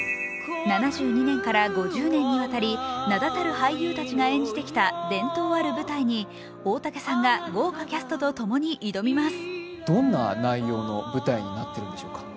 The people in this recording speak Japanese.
７２年から５０年にわたり名だたる俳優たちが演じてきた伝統ある舞台に大竹さんが豪華キャストとともに挑みます。